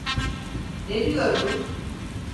Ne diyor bu?